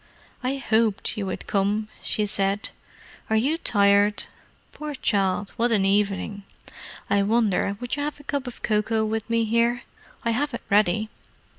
"I hoped you would come," she said. "Are you tired? Poor child, what an evening! I wonder would you have a cup of cocoa with me here? I have it ready."